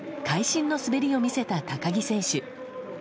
会心の滑りを見せた高木選手。